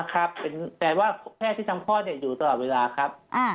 แปลว่าแพทย์ที่ทำคลอดอยู่ตลอดเวลาครับ